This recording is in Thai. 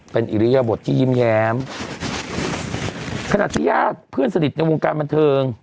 เป็นอิริยบทที่ยิ้มแย้มขณะที่ญาติเพื่อนสนิทในวงการบันเทิง